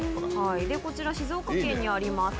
こちら静岡県にあります